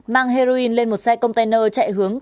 mang heroin lên một xe container chạy hướng